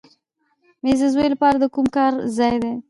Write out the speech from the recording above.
مېز د زوی لپاره د کور کار ځای دی.